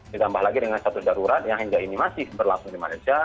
ditambah lagi dengan satu darurat yang hingga ini masih berlangsung di malaysia